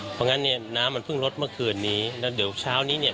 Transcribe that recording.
เพราะงั้นเนี่ยน้ำมันเพิ่งลดเมื่อคืนนี้แล้วเดี๋ยวเช้านี้เนี่ย